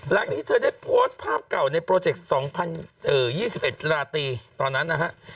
หลังจากที่เธอได้โพสต์ภาพเก่าในโปรเจกต์๒๐๒๑ราตรีตอนนั้นนะฮะ